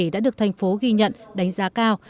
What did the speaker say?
đã được thành phố ghi nhận đánh giá cao